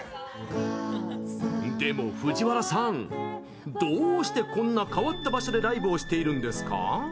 でも藤原さんどうしてこんな変わった場所でライブをしているんですか？